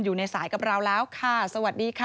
อยู่ในสายกับเราแล้วค่ะสวัสดีค่ะ